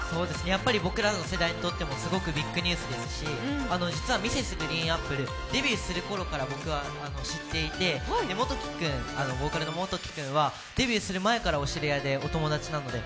やっぱり僕らの世代にとってもすごくビッグニュースですし実はＭｒｓ．ＧＲＥＥＮＡＰＰＬＥ、デビューするころから僕は知っていて、ボーカルの元貴くんはデビューする前からお知り合いでお友達なので